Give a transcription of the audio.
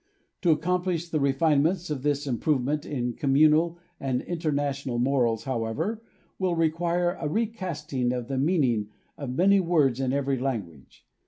To accomplish the refinements of this improvement in com munal and international morals, however, will require a recasting of the meaning of many words in every language.